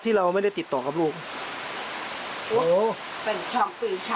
เชื่อไหมครับว่าลูกทำจริง